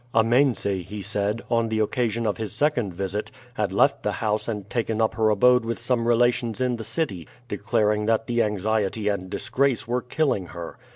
Amense, he said, on the occasion of his second visit, had left the house and taken up her abode with some relations in the city, declaring that the anxiety and disgrace were killing her.